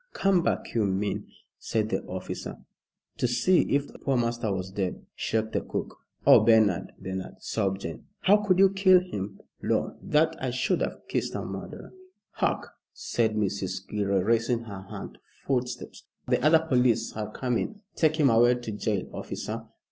"Come back, you mean," said the officer. "To see if poor master was dead," shrieked the cook. "Oh, Bernard Bernard!" sobbed Jane, "how could you kill him! Lor'! that I should have kissed a murderer." "Hark!" said Mrs. Gilroy, raising her hand, "footsteps. The other police are coming. Take him away to jail, officer."